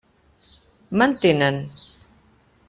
M'entenen?